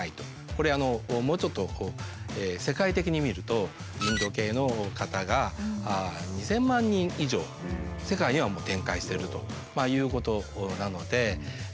これもうちょっと世界的に見るとインド系の方が２，０００万人以上世界には展開してるということなので。